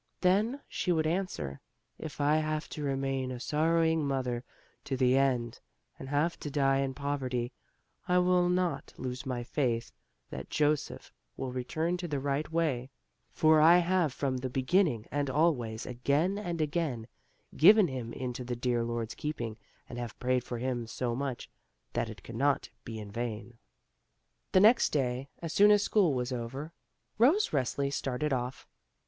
Then she would answer: "If I have to remain a sorrowing mother to the end and have to die in poverty, I will not lose my faith that Joseph will return to the right way, for I have from the beginning and always, again and again, given him into the dear Lord's keeping and have prayed for him so much, that it cannot be in vain." The next day, as soon as school was over, Rose Resli started off.